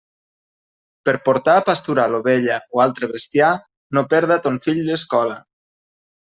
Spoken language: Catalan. Per portar a pasturar l'ovella o altre bestiar, no perda ton fill l'escola.